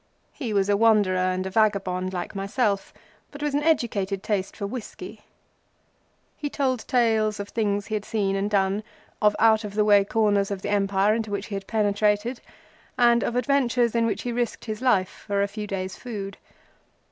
He was a wanderer and a vagabond like myself, but with an educated taste for whiskey. He told tales of things he had seen and done, of out of the way corners of the Empire into which he had penetrated, and of adventures in which he risked his life for a few days' food.